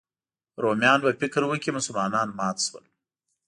رومیان به فکر وکړي مسلمانان مات شول.